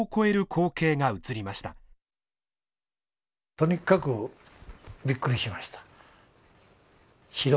とにかくびっくりしました。